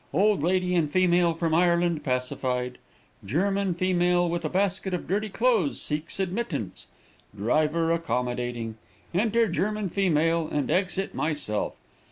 Old lady and female from Ireland pacified. German female, with a basket of dirty clothes, seeks admittance. Driver accommodating. Enter German female, and exit myself.